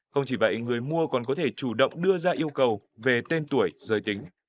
không chỉ vậy người mua còn có thể chủ động đưa ra yêu cầu về tên tuổi giới tính